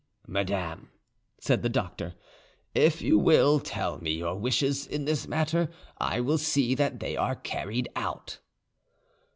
"Madame," said the doctor, "if you will tell me your wishes in this matter, I will see that they are carried out."